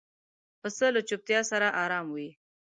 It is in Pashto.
پسه له چوپتیا سره آرام وي.